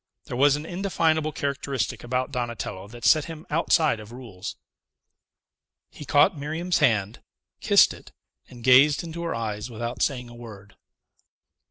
There was an indefinable characteristic about Donatello that set him outside of rules. He caught Miriam's hand, kissed it, and gazed into her eyes without saying a word.